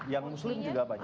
yang muslim juga banyak